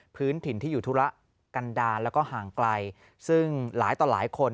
พื้นถิ่นที่อยู่ธุระกันดาลแล้วก็ห่างไกลซึ่งหลายต่อหลายคน